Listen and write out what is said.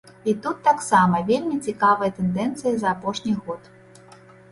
І тут таксама вельмі цікавыя тэндэнцыі за апошні год.